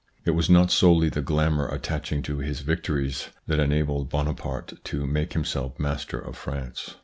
It was not solely the glamour attaching to his victories that enabled Bonaparte to make himself master of France.